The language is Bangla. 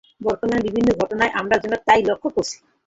বর্তমানে বিভিন্ন ঘটনায় আমরা যেন তা ই লক্ষ করছি।